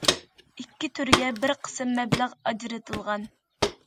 ئىككى تۈرگە بىر قىسىم مەبلەغ ئاجرىتىلغان.